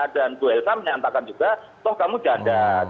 dan bu elsa menyatakan juga toh kamu ganda